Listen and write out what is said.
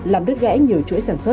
làm đứt ghẽ nhiều chuỗi sản xuất